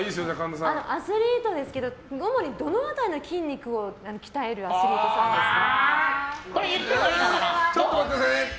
アスリートですけど主にどの辺りの筋肉を鍛えるアスリートさんですか？